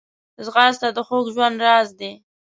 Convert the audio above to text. ځغاسته د خوږ ژوند راز دی